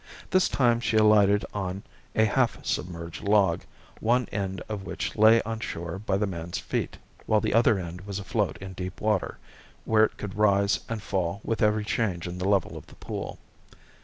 This time she alighted on a half submerged log, one end of which lay on shore by the man's feet, while the other end was afloat in deep water, where it could rise and fall with every change in the level of the pool.